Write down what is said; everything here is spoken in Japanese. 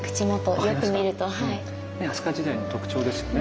飛鳥時代の特徴ですよね。